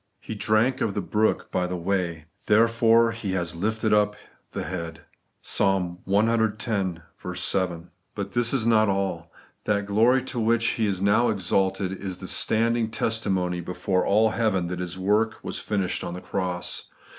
He drank of the brook by the way, therefore He has lifted up the head (Ps. ex. 7). I>ut this is not alL That glory to which He is now exalted is the standing testimony before all heaven that His work was finished on the cross.